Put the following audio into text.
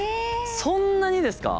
そんなにですか？